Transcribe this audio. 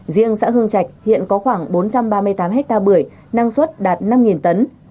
riêng xã hương trạch hiện có khoảng bốn trăm ba mươi tám hectare bưởi năng suất đạt năm tấn